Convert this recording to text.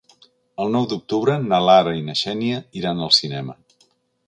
El nou d'octubre na Lara i na Xènia iran al cinema.